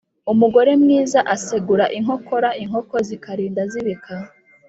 Umugore mwiza asegura inkokora inkoko zikarinda zibika.